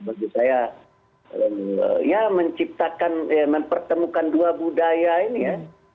bagi saya ya menciptakan mempertemukan dua budaya ini ya